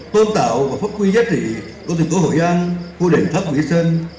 tôn tạo và phát huy giá trị của tỉnh cổ hội an khu đền tháp nguyễn sơn